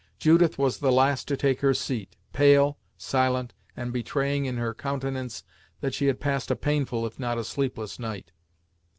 Judith was the last to take her seat, pale, silent, and betraying in her countenance that she had passed a painful, if not a sleepless, night.